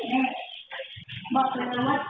ละเลละเลกาไมละเล